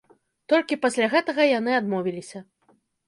Толькі пасля гэтага яны адмовіліся.